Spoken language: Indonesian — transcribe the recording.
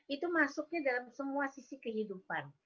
itu masuknya dalam semua sisi kehidupan